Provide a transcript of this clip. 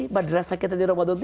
madrasah kita di ramadan